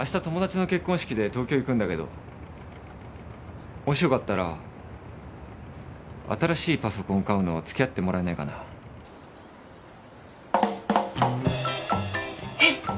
友達の結婚式で東京行くんだけどもしよかったら新しいパソコン買うの付き合ってもらえないかなえっ